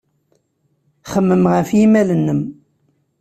Xemmem ɣef yimal-nnem.